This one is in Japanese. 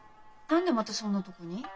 何でまたそんなとこに？